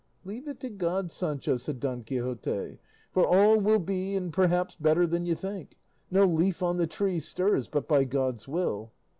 "Leave it to God, Sancho," said Don Quixote, "for all will be and perhaps better than you think; no leaf on the tree stirs but by God's will."